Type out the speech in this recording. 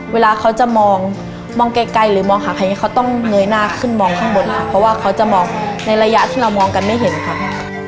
เวลาเขาจะมองมองไกลหรือมองหาใครเขาต้องเงยหน้าขึ้นมองข้างบนค่ะเพราะว่าเขาจะมองในระยะที่เรามองกันไม่เห็นค่ะ